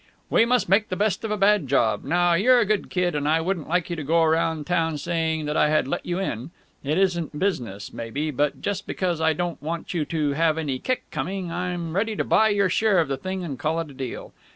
"We must make the best of a bad job! Now, you're a good kid and I wouldn't like you to go around town saying that I had let you in. It isn't business, maybe, but, just because I don't want you to have any kick coming, I'm ready to buy your share of the thing and call it a deal.